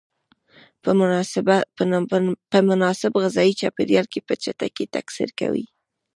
په مناسب غذایي چاپیریال کې په چټکۍ تکثر کوي.